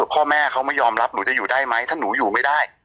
พ่อแม่เขาไม่ยอมรับหนูจะอยู่ได้ไหมถ้าหนูอยู่ไม่ได้